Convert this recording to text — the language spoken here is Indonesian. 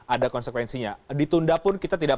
ada konsekuensinya ditunda pun kita tidak